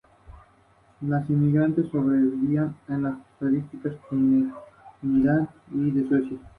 Extinta en Hong Kong.